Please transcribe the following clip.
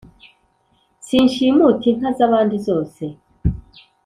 Sinshimuta inka zabandi zose